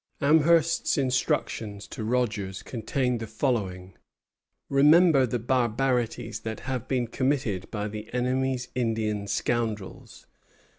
Amherst's instructions to Rogers contained the following: "Remember the barbarities that have been committed by the enemy's Indian scoundrels.